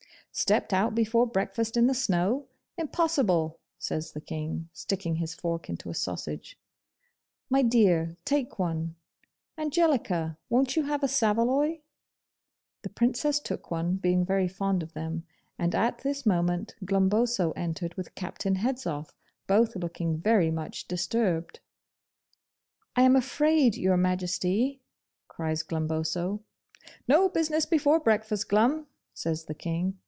'Stepped out before breakfast in the snow! Impossible!' says the King, sticking his fork into a sausage. 'My dear, take one. Angelica, won't you have a saveloy?' The Princess took one, being very fond of them; and at this moment Glumboso entered with Captain Hedzoff, both looking very much disturbed. 'I am afraid Your Majesty ' cries Glumboso. 'No business before breakfast, Glum!' says the King.